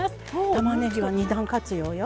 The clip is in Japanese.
たまねぎは２段活用よ。